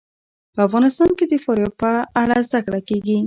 په افغانستان کې د فاریاب په اړه زده کړه کېږي.